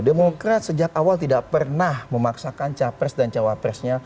demokrat sejak awal tidak pernah memaksakan cawapress dan cawapressnya